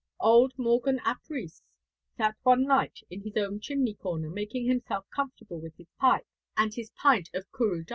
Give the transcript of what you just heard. Old Morgan ap Rhys sat one night in his own chimney corner making himself comfortable with his pipe and his pint of cwrw da.